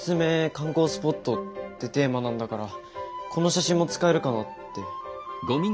観光スポットってテーマなんだからこの写真も使えるかなって。